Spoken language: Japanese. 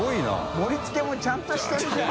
盛り付けもちゃんしてるじゃん。